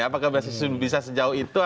apakah bisa sejauh itu